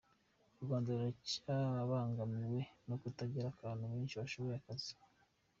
U Rwanda ruracyabangamiwe no kutagira abantu benshi bashoboye akazi.